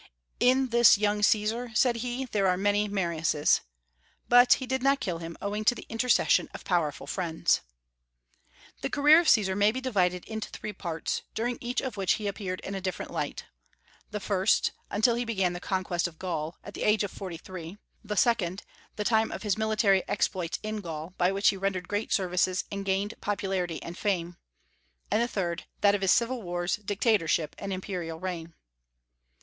"In this young Caesar," said he, "there are many Mariuses;" but he did not kill him, owing to the intercession of powerful friends. The career of Caesar may be divided into three periods, during each of which he appeared in a different light: the first, until he began the conquest of Gaul, at the age of forty three; the second, the time of his military exploits in Gaul, by which he rendered great services and gained popularity and fame; and the third, that of his civil wars, dictatorship, and imperial reign.